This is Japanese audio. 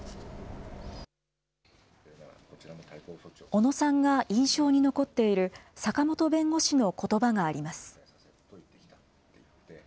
小野さんが印象に残っている坂本弁護士のことばがあります。